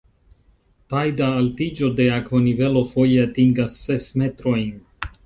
Tajda altiĝo de akvonivelo foje atingas ses metrojn.